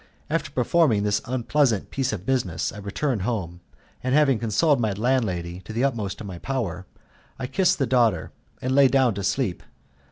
After performing this unpleasant piece of business I returned home, and, having consoled my landlady to the utmost of my power, I kissed the daughter, and lay down to sleep.